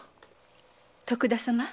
徳田様